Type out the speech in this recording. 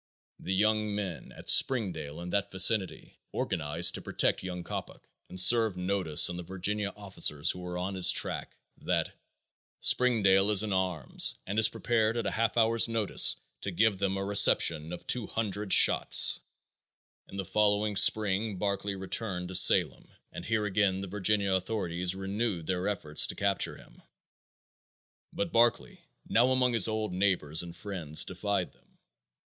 The young men at Springdale and that vicinity organized to protect young Coppock and served notice on the Virginia officers who were on his track that "Springdale is in arms and is prepared at a half hour's notice to give them a reception of 200 shots." In the following spring Barclay returned to Salem and here again the Virginia authorities renewed their efforts to capture him. But Barclay, now among his old neighbors and friends, defied them.